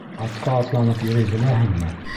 Атҡа атланып йөрөй беләһеңме?